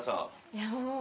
いやもう。